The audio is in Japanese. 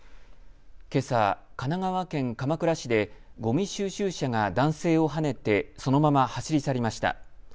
けさ、神奈川県鎌倉市でごみ収集車が男性をはねてそのまま走り去りました。